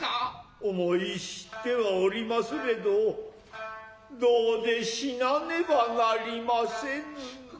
思い知っては居りますれどどうで死なねばなりませぬ。